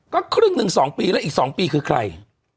ก็ครึ่งหนึ่ง๒ปีแล้วอีก๒ปีคือใคร